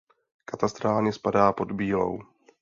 Katastrálně spadá pod Bílou.